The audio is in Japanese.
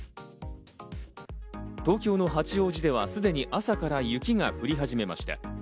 東京の八王子では、すでに朝から雪が降り始めました。